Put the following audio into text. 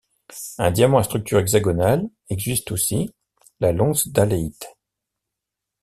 Un diamant à structure hexagonale existe aussi, la lonsdaléite.